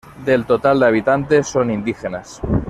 Del total de habitantes son indígenas.